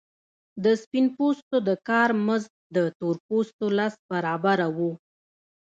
د سپین پوستو د کار مزد د تور پوستو لس برابره وو